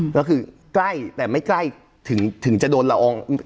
ก็คือใกล้แต่ไม่ใกล้ถึงจะโดนละออง